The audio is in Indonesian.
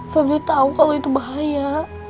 febri tahu kalau itu bahaya